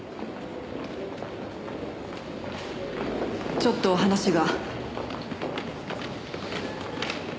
ちょっとお話が。